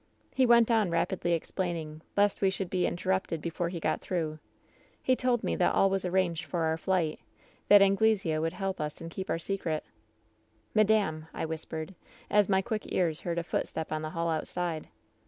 "He went on rapidly explaining, lest we should be interrupted before he got through. He told me that all was arranged for our flight. That Anglesea would helj^ us and keep our secret. " ^Madame !' I whispered, as my quick ears heard a footstep on the hall outside.